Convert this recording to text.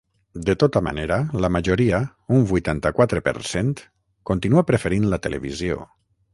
De tota manera, la majoria, un vuitanta-quatre per cent, continua preferint la televisió.